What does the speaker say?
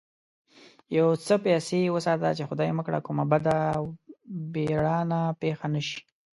يو څه پيسې وساته چې خدای مکړه کومه بده و بېرانه پېښه نه شي.